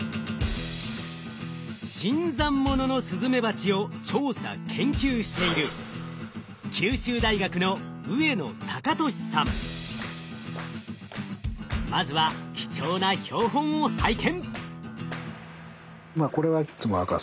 新参者のスズメバチを調査研究しているまずは貴重な標本を拝見。